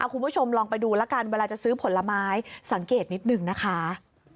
คุณผู้ชมลองไปดูแล้วกันเวลาจะซื้อผลไม้สังเกตนิดหนึ่งนะคะ